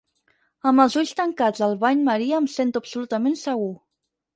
Amb els ulls tancats al bany maria em sento absolutament segur.